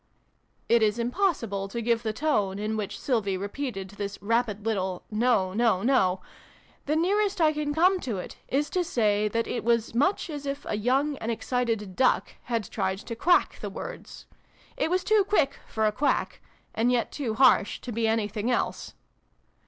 1 ' (It is impossible to give the tone in which Sylvie repeated this rapid little ' No no no !' The nearest I can come to it is to say that it was much as if a young and excited duck had tried to quack the words. It was too quick for a quack, and yet too harsh to be anything else.)